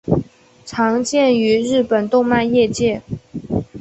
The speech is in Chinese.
常见于日本动漫业界。